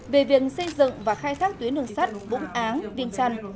về việc xây dựng và khai thác tuyến đường sắt vũng áng viên trăn